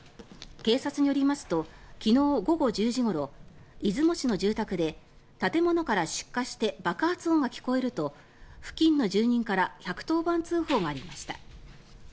警察によりますと昨日午後１０時ごろ出雲市の住宅で建物から出火して爆発音が聞こえると付近の住民から１１０番通報がありました。